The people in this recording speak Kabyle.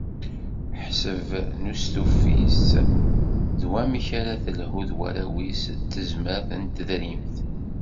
Ḥsab n ustifi-s d wamek ara d-telhu d warraw-is d tezmart n tedrimt.